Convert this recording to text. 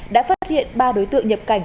đã phát hiện ba đối tượng nhập cảnh